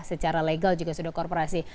secara legal juga sudah korporasi